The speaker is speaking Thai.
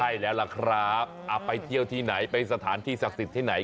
ใช่แล้วล่ะครับไปเที่ยวที่ไหนไปสถานที่ศักดิ์สิทธิ์ที่ไหน